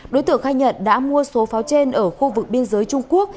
đối tượng khai nhận đã mua số pháo trên ở khu vực biên giới trung quốc